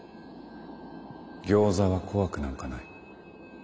ギョーザは怖くなんかない。